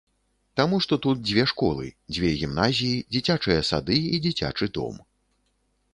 Таму што тут дзве школы, дзве гімназіі, дзіцячыя сады і дзіцячы дом.